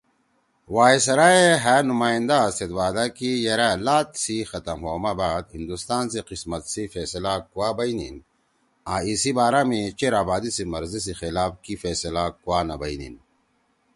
وائسرائے ہأ نمائندا سیت وعدہ کی یرأ لات سی ختم ہؤ ما بعد ہندوستان سی قسمت سی فیصلہ کوا بئینیِن آں ایِسی بارا می چیر آبادی سی مرضی سی خلاف کی فیصلہ کوا نہ بئینیِن